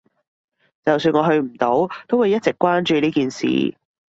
就算我去唔到，都會一直關注呢件事